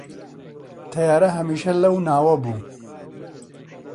تەیارە هەمیشە لەو ناوە بوو